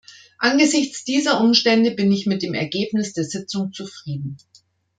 Angesichts dieser Umstände bin ich mit dem Ergebnis der Sitzung zufrieden.